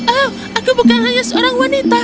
oh aku bukan hanya seorang wanita